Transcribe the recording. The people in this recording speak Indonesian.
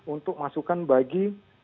untuk masukan bagi